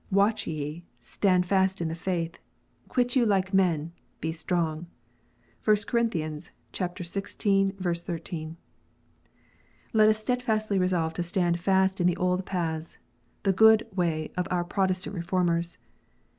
" Watch ye : stand fast in the faith. Quit you like men : be strong." (1 Cor. xvi. 13.) Let us steadfastly resolve to stand fast in the old paths, the good way of our Protestant Reformers.